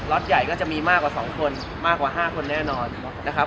็อตใหญ่ก็จะมีมากกว่า๒คนมากกว่า๕คนแน่นอนนะครับ